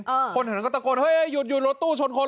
คนแถวนั้นก็ตะโกนเฮ้ยหยุดหยุดรถตู้ชนคน